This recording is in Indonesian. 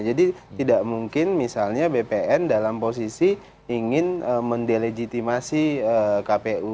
jadi tidak mungkin misalnya bpn dalam posisi ingin mendelegitimasi kpu